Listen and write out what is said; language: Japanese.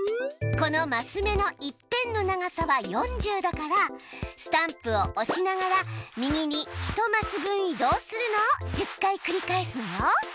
このマス目の一辺の長さは４０だからスタンプをおしながら右に１マス分移動するのを１０回繰り返すのよ。